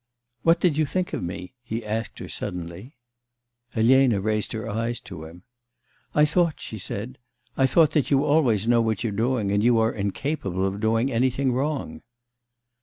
'What did you think of me?' he asked her suddenly. Elena raised her eyes to him. 'I thought,' she said, 'I thought that you always know what you're doing, and you are incapable of doing anything wrong.